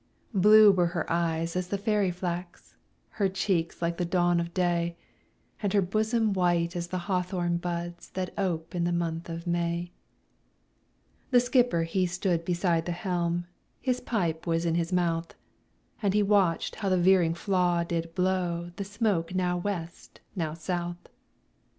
Blue were her eyes as the fairy flax, Her cheeks like the dawn of day, And her bosom white as the hawthorn buds, That ope in the month of May. The skipper he stood beside the helm, His pipe was in his mouth, And he watched how the veering flaw did blow The smoke now West, now South.